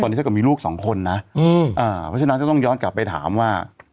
ตอนนี้เท่าที่มีลูกสองคนนะเพราะฉะนั้นจะต้องย้อนกลับไปถามว่า